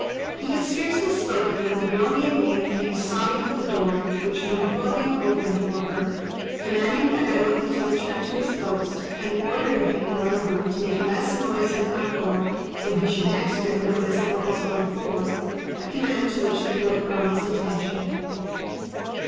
He had scarcely spoken when the girl he had named came sobbing to the door, which Monipodio opened for her, commanding Tagarote to return to his post; and ordering him, moreover, to make less noise and uproar when he should next bring notice of what was going forward,—a command to which the boy promised attention.